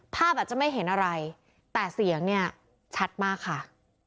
อาจจะไม่เห็นอะไรแต่เสียงเนี่ยชัดมากค่ะ